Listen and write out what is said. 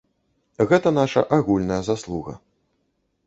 Гэта наша агульная заслуга.